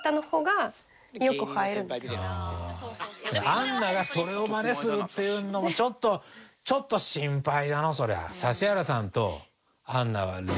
杏奈がそれをマネするっていうのもちょっとちょっと心配だなそりゃ。